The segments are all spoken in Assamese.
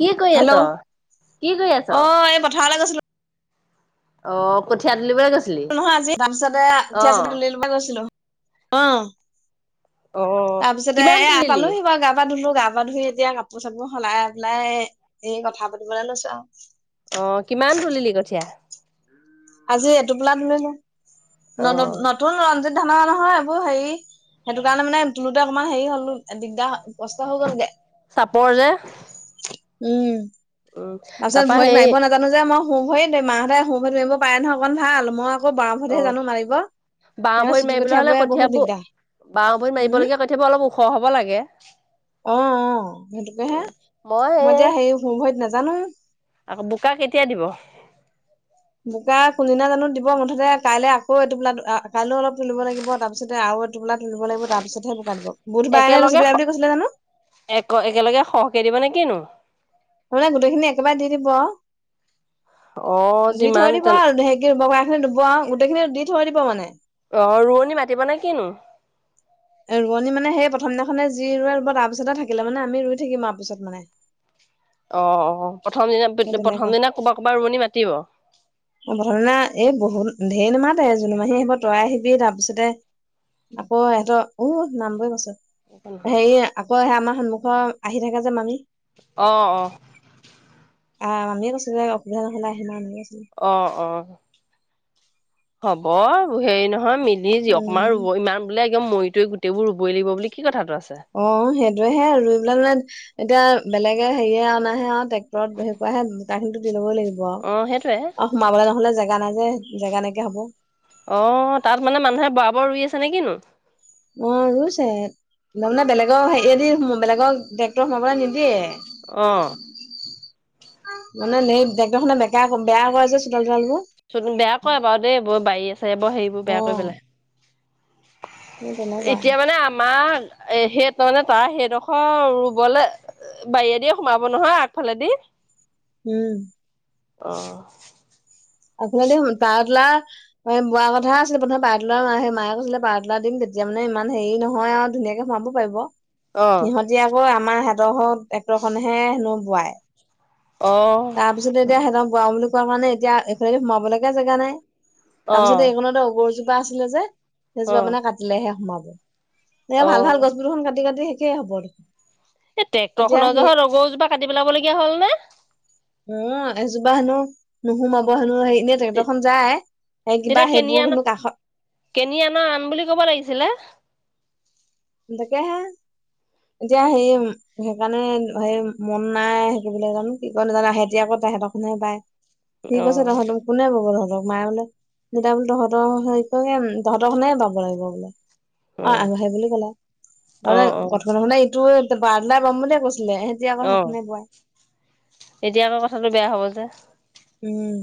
কি কৰি হেল্ল' আছ কি কৰি অ আছ? এই পথাৰলৈ গৈছিলো অ কঠীয়া তুলিবলৈ গৈছে। নহয় আজি গামচাতে [unintelligible] অ' তাৰ পিছতে কিমান এ তুলিলি? পালোহি বাৰু গা পা ধুলো গা পা তপা ধুই এতিয়া কাপোৰ চাপোৰ সলাই পেলাই এই কথা পাতিবলৈ লৈছো আৰু। অ' কিমান তুলিলি কঠীয়া আজি এটোপোলা তুলিলো অ'। নতুন ৰঞ্জিত ধানৰ নহয় এইবোৰ হেৰি সেইটো কাৰণে মানে অকণমান হেৰি হলো দিগদাৰ কষ্ট হৈ গলগে চাপৰ যে, উম। উম, তাৰপিছত তাৰপা ভৰিত সেই মাৰিব নাজানো যে মই। হোঁ ভৰি মাহঁতে হোঁ ভৰি মাৰিব পাৰে নহয় অকণ ভাল মই আক বৰামভতেহে জানো মাৰিব বাহ সিহঁতে ভৰিত চুটি মাৰিবলৈ হ'লে কঠিয়াবোৰে বহুত দিগদাৰ কঠিঁয়াবোৰ বাঁহীত উম মাৰিবলগীয়া কৈ থাবা অলপ ওখ হব লাগে অ সেইটোকে হে মই এতিয়া হে মোৰ ভৰিত নাজানোঁ আকৌ বোকা কেতিয়া দিব? বোকা কোনদিনা জানো দিব মুঠতে কাইলে আকৌ এইটো পোিলা কাইলৈও অলপ তুলিব লাগিব তাৰপিছতে আৰু টোপো তুল লাগিব তাৰ পিছতহে পোকাত দিব বুধবাৰে বেছি একেলগে দেয়া বুলি জানো এক একেলগে সহকে দিব নে কিনো মানে গোটেইখিনি একেবাৰে দি দিব অ' দুই যিমান থই দিব তেন আৰু হেৰিকেব ক খিনি ধুব গোটেইখিনি দি থব দিব মানে। অ ৰোৱনী মাতিব নে কিনো? ৰোৱনী মানে সেই প্ৰথম দিনাখনে যি ৰোৱাৰ ৰ তাৰপিছতে থাকিলে মানে আমি ৰুই থাকিম আৰুাৰ পিছত মানে অ প্ৰথম দিনা সেই তেনেকুৱা প্ৰথম দিনা কৰব কৰ'ৰবাত ৰুমনি মাতিব। প্ৰে এই ঢেৰনোমা জোনুমাহী আহিব তিৰাই আহিবি তাৰপিছতে আাপৌ ইিহতৰ উ নামবই কছ হেৰি আকৌ স আমাৰ সন্মুখৰ আহি থাকে যে মামি অ', অ'। অ', মামিয়ে কৈছো যে অসুধা নহ'লে আহি ম অ অ হ'ব হেৰি নহয় মিলি যিয়ক মাৰ উম ৰুব ইমান বোলে। মৰিৱ গোইবোৰ ৰুব লাগ বুলি কি কথাটো আছে অ সেইটোয়েহে আৰু ইবেলা মানে এতিয়া। বেলেগ হেয়ে অনাহে আৰু ট্ৰেক্টৰত হোহে গাখিনিটো লবই লাগিব আৰু অ', সেইটোৱে আৰু সোমাবলে নহলে জেগা নাই যে জেগা এনেকে হব অ', তাত মানে মানুহে বৰা বৰ ৰুই আছে নে কিনো। অ', ৰুইছে তাৰপানে বেলেগৰ হে বেলেগৰ টেক্টৰ সমৰ পৰা নি অ'। মানে সেই বকৰখনে বেকা বেয়া কৰা যে চোতাল তোতালবোৰ। চোন বেয়া ক বাৰু দেই বৰ বাৰী আছে বৰ হেৰিবোৰ বেয়া কৰি অ' পেলাই। সেই তেনেকুৱা এতিয়া মানে আমাৰ এ সেই তাৰানে তাৰ সেইডোখৰ ৰুবলৈ বাৰিয়ে দিয়ে সোমাব নহয় আগফালেদি [inaudible] উম। অ'। আপোনাল দে পাৰতলা বোৱাৰ কথা আছিলে প্ৰথমে পাৰতলাৰ ম সেই মায়ে কৈছিলে পাৰতলা দিম তেয়া এতিয়া মানে ইমান হেৰি নহয় আৰু ধুনীয়াকে সোমাব পাৰিব অ', সিহঁতি অকৌ আমাৰ হিঁতৰ ট্ৰেক্টৰ খনেহে হেনো বোৱাই। অ', তাৰ পিছতে এতি সহতক বৰাওঁ বুলি কোৱা কাৰণে এতিয়া এইফালে সোমাব লগগীয়া জেগা নাই অ', তাৰপিছতে এইখনণতে গৰজোপা আছিলে যে সেইজোপা অ', মানে কাটিলেহে সোমাব এ ভাল অ'। ভাল গছবোৰ কাটি কাটি শেষে হ'ব আৰু। এই ট্ৰেক্টৰ খনৰ জহ ৰৰজোপা কাটি পেলাবলগীয়া হ'ল নে? উম এজোবাহনো নুহু মাব হনো আহেই এনে ট্ৰেক্টৰ খন যায় সেই তেতিয়া কিবা কেনি সেইবোৰ আনা কিন্তু কাষত কেনি আনা আন বুলি ক'ব লাগিছিলে এ তাকে হে। এতিয়া হে সেইকাৰণে হে মন নাই সিব জানো কি কয় নাজানোতি আকৌ তাহেঁকোনে পাই ঠিক অ আছে তহঁ তো কোনে বগহঁ ক মায়ে বোলে দেতা বোলে তহঁতৰ সে তহঁতৰ খনেহ পাব লাগিব বোলে অ আগ়ি বুলি ক'লো অ তাৰানে অ কঠ মানে ইটো বাৰদলাই পাম বুলিয়ে কৈচোন ছিলে সেতি আকৌ অ সেই নে বাই এতিয়া আকৌ কথাটো বেয়া হব যে। উম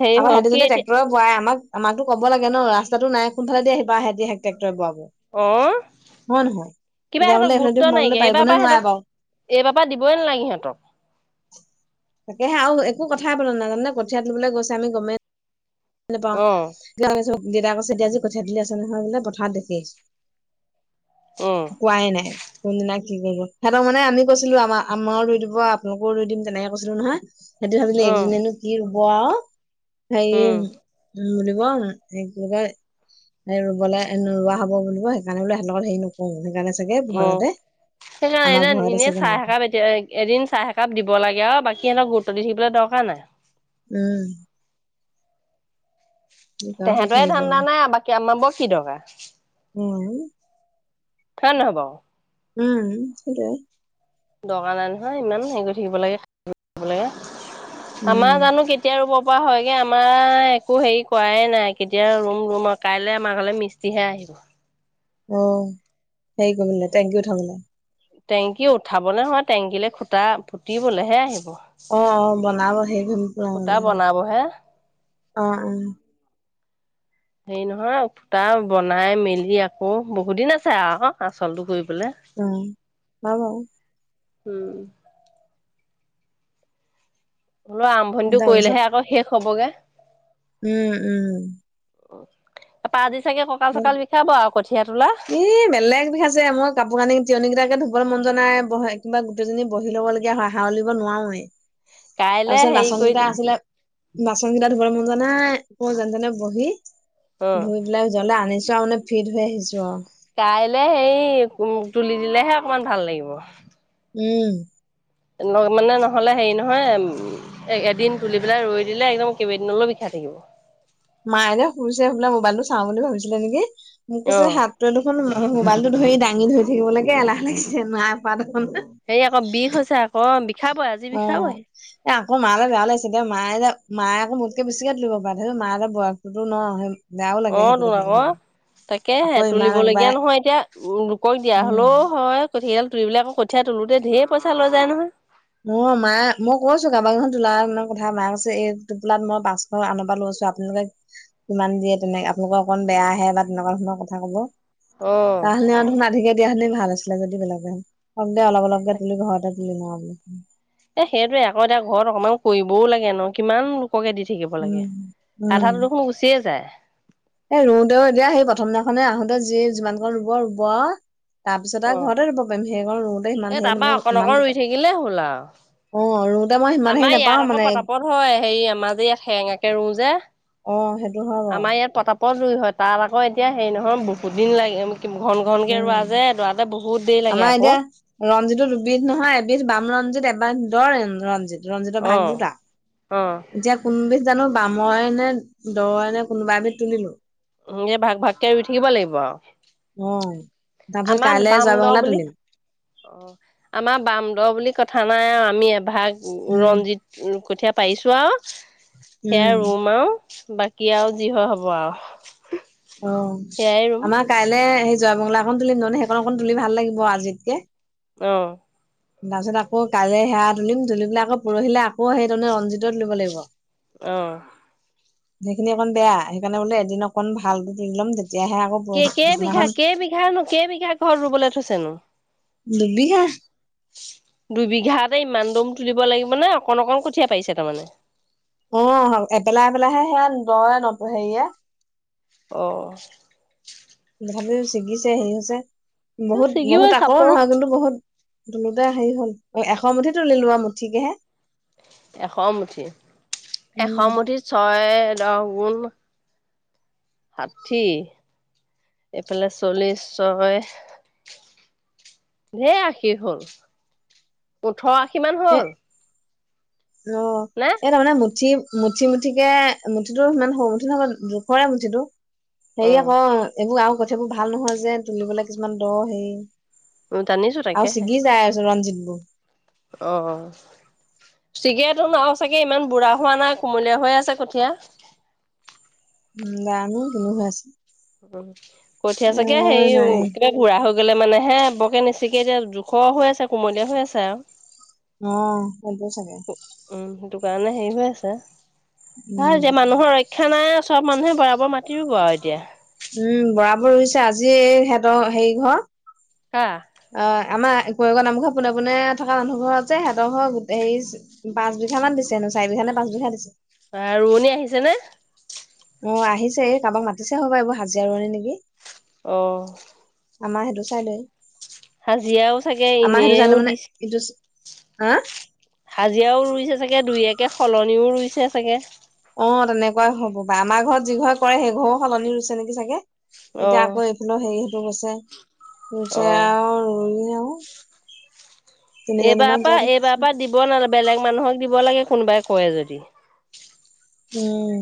হেৰি আম হ'ল সহতে কি যদি এতিয়া ট্ৰেক্টৰ বোৱাই আমাক আমাকো কব লাগে ন ৰাস্তাটো নাইোনালে দে আহিবাহেহতিে টেক্টৰ বক অ কিবা তেতিয়া বোলে সহতক এইফালেদি গুৰুত্ব সোমাবলৈ নাইকিয় পাৰিব এইবাৰ নে পৰা নোৱাৰে সিহঁতক বাৰু [unintelligible] এইবাৰ পৰা দিবই নালাগে সিহতক। তাকেহে আৰু একো কথাই প নো নাজানো কঠিয়াত লবলৈ গৈছে আমি গমেই পা অ যে [unintelligible] দেতাক কৈছে দেতিা আজি কথা দিলি আছে নহয় বোলে পথাৰ দেখেই। উ কোৱাই নাই কোনদিনা [unintelligible] কি কৰিব সিহতৰ মানেমি কৈছিলো আম আমো ৰুই দিব আপোনালোকৰও ৰু দিম তেনেকে কৈছিলো নহয়। সেইটো ভাবিলে উ একজীনো কি ৰুব আৰু হেৰি উম উম বুলিব [unintelligible] ৰুবলৈ ৰোৱা হ'ব বুল সেইকাৰণে বোলে সিহঁত হেৰি নকৰো সেইকাৰণে চাগে ভয়তে। সেই আমাৰ এদ ভয়তে এনেই চাগে চাহ নাই একাকাপ এতিয়া এদিন চাহ একাকাপ দিব লাগে অ, বাকী সহতক গো দেখিবলৈ দৰকাৰ নাই। উম কি কাৰো কৈ তেহেতৰে থাকিব ধান্দা নাই আৰু বাকী আমাৰ বৰ কি দৰকাৰ উম হ নহব উম দৰকাৰ নাই নহয় ইমান হেৰি কৰি থাকিব লাগে লাগে। আমাৰ উম জানো কেতিয়া ৰব হয়গে আমাৰ একো হেৰি কৰাে নাই কেতিয়া ৰুম - ৰুম আৰু কাইলৈ আমাৰ ঘৰলৈ মিস্ত্ৰীহে আহি [inaudible] অ হেৰি কৰিলে টেংকি উঠাবলে [unintelligible] টেংকি উঠাব নহয় টেংকীে খুটা ফুটিবলেহে আহিব [unintelligible] অ অ বনাব সেইখ ল অ খুটা বনাবহে অ [unintelligible] হেৰি নহয় ফুটা বনাই মেলি আকৌ বহুত দিন আছে আৰু আচলটো ঘূৰি উ ম ব [unintelligible] উম বোলো আৰম্ভণিটো তাৰপিছত কৰিলেহে আকৌ শেষ হবগে। উম - উম। উ তাৰাপা আজি চাগে কঁকাল চকাল বিষাব আৰু কঠিয়টো ইহ, বেলেগ বিষাইছে মই কাপোৰ কানি জীয়নীকেইটাকে ধুবৰ মন জনাই ব কিবা গোটেইজনী বহি লবলগীয়া হয় হাউলিব নোৱাৰোৱেই। কাইলে তাৰপিছত হেৰি কৰি বাচনকেইতা আছিলে বাচন কেইটা ধুবৰ মন যোৱা নাই আৌ যেন তেনে বহি অ ধুই পেলাই উ জ্বলে আনিছো [unintelligible] যাওনে ফিৰ হৈ। আহিছো আৰু কাইলে সেই তুলি দিলেহে অকমান ভাল লাগিব। উম মানে নহলে হেৰি নহয় এদিন তুলি পেলাই ৰৈ দিলে একদম কেইবদিনলৈ বিষাত থাকিব [unintelligible] মায়ে শুইছে সুলে মোবাইল টো চাওঁ বুলি ভাবিছিলে নেকি মোক কৈছে অ', হাত [unintelligible] দুখখন অ মোবাইলতটো ধৰি দাঙি ধৰি থাকিবাগে এলাহ লিছে নোৱাৰ প [unintelligible] হে আকৌ বিষ হৈছে আকৌ বিষ। অ এ আকৌ মা লে বেয়া লাগিছে দে। মায় এটা মায়ে আকৌ মোতকে বেছিকে তুলিব পাৰেছ মা এটা বয়সতো ন [unintelligible] বেয়াও লাগে সেইটো কথাালি ভাবি তাকে হে আকৌ ইমান তুলিবলগীয়া একবাৰে নহয় এতিয়া উ লোকক দিয়া উম হলেও হয় কঠডাল তুলিৰিবিলাকৰ কঠীয়া তোতে ধঢৰ পইা লৈ যায় নহয়। অ, মা মই কৈ আছো কাৰোবাৰ এখন তোলানৰ কথা মাক আছে এই টোপোলাত মই পাছশ আনব লৈ আছো। আপোনালোকে কিমান দিয়ে তেনে আপোনালোকৰ অকন বেয়া আহে বা তেনেকুৱা ধৰণৰ কথা কব। অ'। তাহাহুি আৰু ধুনধিকে দিয়াখুনে ভাল আছিলে যদি বেলেগেক দে অলপ - অলপকে তুলি ঘৰতে। [unintelligible] এ সেইটোে আকৌ এতিয়া ঘৰত অকমান কৰিবও লাগে ন কিমান পকে দি থাকিব লাগে উম আধা দু - দুখোন গুচিয়ে যায়। এ ৰুওতেও এতিয়া সেই প্ৰথম দিনাখনে আহোতে যি যিমান ক ৰুব ৰুব তাৰ পিছত আৰু অ', ঘৰতে ৰুব পাৰিম সেইকাৰণ ৰুওঁতে ইমান এই হেৰি তাৰপা মই অকণ অকণ ইমান ৰুই থাকিলে হ'ল আৰু। অ আৰু আমাৰ ইয়াত আকৌ পতাপত হয় হেৰি আমাৰ যে ইয়াত সেঙাকে ৰোও যে। অ, সেইটো হয় বু ও যী হয় তাত আকৌ এতিয়া হেৰি নহয় বহুত দিন লাগে। ঘন- ঘন কেে ৰোৱা উম যে দৰাতে বহুত দেৰি লাগে আকৌ। এবিধ নহয় এবিধ বাম ৰঞ্জিত এবাৰ দৰ ৰঞ্জিত। ৰঞ্জিত অ ভাগ দুটা অ এতিয়া কোনোবে জানো বাম মই এনে দ এনেে কোনোবা এবিধ তুলিলো যে ভাগ ভাগকে ৰুই থাকিব লাগিব আৰু। উম, আমাৰ বাম দ বুলি অ আমাৰ বাম দহ বুলি কথা নাই আৰু আমি এভাগ উম ৰঞ্জিত কঠীয়া পাৰিছোঁ আৰু সেয়া উম ৰুম আৰুও বাকী আৰু যি হয় হ'ব আৰু অ, সেয়াই ৰুম আমাৰ কাইলে জোৱামংলা অকণ তুলিম নহ সেইক অকণ তুলি ভাল লাগিব আজিতকে। আহ তাৰপিছত আকৌ কাজে সেৱা তুলিম তুলি পেলাই আকৌ পৰহিলে আকৌ সেইটোণে ৰঞজিততুললিব লাগিব। আহ সেইখিনি অকণ বেয়া সেইকাৰণে বোলে এদিন অকণ ভাল তুলি লম তেতিয়াহে আকৌ পৰ ক কেইবিঘা পিছদিনাখন - কেইবিঘানো - কেইবিঘা ঘৰত ৰুবলৈ থৈছেনো? ডুবি হে দুবিঘাতে ইমান দম তুলিব লাগিব নে অকণ অকণ কঠীয়াা পাৰিছে তাৰমানে অ এপেলাই এপেলাইহে সেয়া দয় ন হেৰিয়ে অঁ তথাপিও ছিগিছে হেৰি হৈছে বহুত ছিগিবই বহুত আকৌ চাপৰ। নহয় কিন্তু বহুত তোলোতে হেৰি হ'ল এশ মুঠি তুলিিলোৱা মুঠিকেহে এশ মুঠি- এশ উম মুঠি ছয় দহ গুণ ষাঠি এইফালে চল্লিছ ছয়। ঢেৰ আশী হ'ল ওঠৰ আশী মান এ হ'ল অ, নে? এনে মানে মুঠি মুঠি মুঠিকে মুঠিটো সিমান সৰু মুঠি নহব জোখৰে মুঠিটো হেৰি আকৌ উম এইবোৰ আৰু কথাবোৰ ভাল নহয় যে তুলিবলৈ কিছুমান দ হেৰি জানিছো আ তাকেহে চিগি যায় আছ ৰঞ্জিত বু অ ', ছিগটোো নও চাগে ইমান বুঢ়া হোৱা নাই কুমলীয়া হৈ আছে কঠীয়া উ দমি কনেো হৈ আছো উ কঠ আ চাগে সেই নাই কেিবা ঘু় হ গলে মানে হে বৰকে নিচিকে এতিয়া জোখ হৈ আছে কুমলীয়া হৈ আছে আৰু। অ সটো চাগে উম সেইটো কাৰণে হেৰি হৈ আছে ভাল উম যে মানুহৰ ৰক্ষা সেনাই চব মানুহে বৰাবৰ মাটি ৰুব আৰু এতিয়া উম বৰাবোৰ ৰুইছে আজি সিহঁতৰ হেৰি ঘৰ হা। অ আমাৰ। কুৰেকৰ নামঘৰ পোনে পোনে থকা মানুহ ঘৰতে সিহঁতৰ ঘৰৰ হেৰি পচঁবিঘা দিছে চাৰি বিঘা মানে পাছ বিঘা দিছে। অ ৰোৱনী আহিছে নে অ' আহিছে এই কাৰোবাক মাতিছে হ'ব এইবোৰ হাজিৰা ৰোৱনী নেকি অ' আমাৰ সেইটো চাইদে হাজিৰাও চাগে আমাৰ সেইটো এনেও চাইদে মানে দিছে। ইটো। হা হাজিৰাও ৰুইছে চাগে দুই একাকে সলনিও ৰুইছে চাগে অ তেনেকুৱাই হ'ব বা আমাৰ ঘৰত যি ঘৰে কৰে সেই ঘৰেও সলনি হৈছে নেকি চাগে। অ এতিয়া আকৌ এইফালৰ হেৰি সেইটো গৈছে অ। জয়ো আৰু ৰুই আ এইবাৰ পৰা এইবাৰ পৰা দিব নালাগে বেলেগ মানুহক দিব লাগে। কোনোবাই কৰে যদি। উম।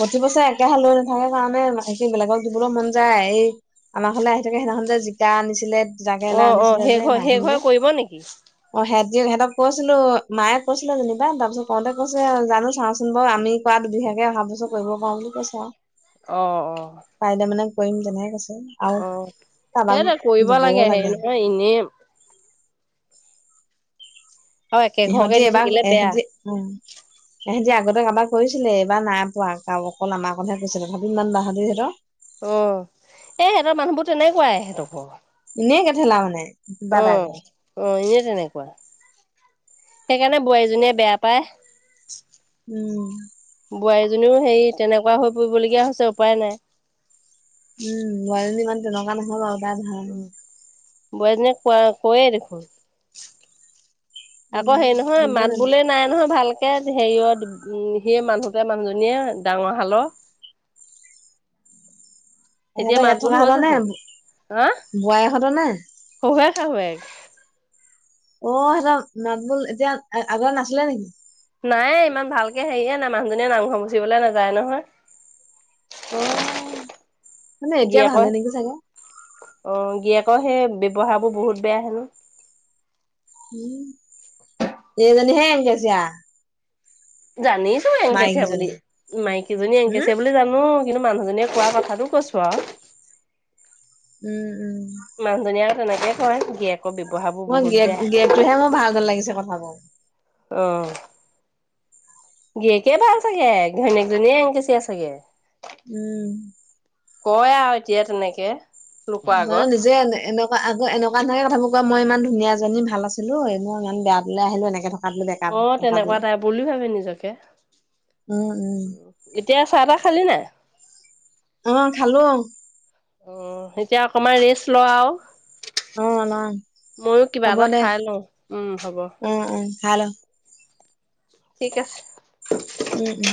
প্ৰতি বছৰে একেহে লৈ নাথাকে কাৰণে স বেলেগক দিবলৈ মন যায়। এই আমাৰ ফাললে আহি থাকে সেইদিনাখন যে জিকা আনিছিলে অ জাকেৰেলা অ আনিছিলে সেই যে ঘৰ সেই নাহিল ঘৰে যে কৰিব নেকি? অ হ যে সিহতক কৈছিলো মায়ে কৈছিলে যেনিবা তাৰ পিছত কওঁতে কৈছে জানো চাওঁ কোন বাৰু আমি কৰা দুবিষাকে অহা বু্ত কৰিব পাৰো বুলি কৈছে আৰু অ -অ পাৰিলে মানে কৰিম তেনেক কৈছে আৰু অ কাৰোবাক সেইটোৱে কৰিব দিবও হেৰি লাগে। নহয় এনেই অ' একে ঘৰকে ইহঁতি দি থাকিলে বেয়া এহঁতি আগতে কাৰোবাৰ কৰিছিলে এইবাৰ নাই পোৱা অকল আমাৰ কথাহে কৈছিলে ভাবিম ইমান বাহাদুৰি সিহতৰ। অ এ সিহঁতৰ মানুহবোৰ তেনেকুৱাই সিহঁতৰ ঘৰৰ। এনে কেঠেলা মানে। কিবা অ টাইপৰ -অ এনে তেনেকুৱা সেইকাৰণে বোৱাৰীজনীয়ে বেয়া পায়। উম বোৱাৰীজনীও হেৰি তেনেকুৱা হৈ পৰিবলগীয়া হৈছে উপায় নাই। উম বোৱাৰী ইমান তেনেকুৱা নহয় বাৰু তাই ভাল বোৱাজনীয়ে কৈ কোৱে দেখোন। আকৌ উম, হেৰি নহয় দিব মাত নালাগে। বোলে নাই নহয় ভালকে একে হেৰিয়ত উম সিয় মানুহতে মানুহজনীয়ে ডাঙৰ হালৰ। [unintelligible] এতিয়া তেহেঁতৰ ইয়াত মাতবোৰ থকা হ'তৰ হৈছে নে চাগে হা বোৱাৰীহঁতৰ নে? সহোয়েক আ। শাহুৱেক অ 'সিহঁতৰ মাতবোল এতিয়া আগদ নাছিলে নেকি নায়ে ইমান ভালকে হেৰিয়ে নাই মানুহজনীয়ে নামঘৰ গুচিবলৈ নাযায় নহয়। অ মানে এতিয়া ভালে গিৰিয়েকৰ নেকি চাগে। অ' গিৰিয়েকৰ সেই ব্যৱ্হাৰ বোৰ বহুত বেয়া হেনো উম এইজনান হে আহি আছে আৰু জানিছো এং কেচিয়া বুলি মাইকীজনী এং উম, কেচিয়া বুলি জানো। কিন্তু মানুহজনীয়ে কোৱা কথাাতটো কৈছো আৰু উম উম মানুহজনীয়ে আৰু তেনেকে কৰে জেক মই গি গিৰেকটোহে মোৰ ভালাল লাগিছে কথাবোৰ। আহ গিৰীয়ে কে ভাল চাগে ঘনীক এংকেচিয়া চাগে। উম কয় এতিয়া তেনেকে লোকৰ বান আগত নিজে এনেকুৱা আগ এনেকুৱা নহাইে কথা মোৰ। মই ইমান ধুনীয়াজনী ভাল আছিলো এই মই ইমান বেয়া তোলে আহিলো এনেকে থাকো অ, তেনেকুৱা তাই বুলি ভাবে নিজকে। উম, উম, এতিয়া চাহ তাহ খালি নাই। অ', খালো অ' এতিয়া অকণমান ৰেষ্ট লোৱা আৰু অ' অ'। ময়ো কিবা হ'ব এটা দে খাই লওঁ উম হব উম উম ভাল ঠিক আছে উম - উম।